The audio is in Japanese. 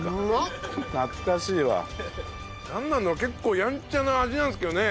なんなんだろう結構やんちゃな味なんですけどね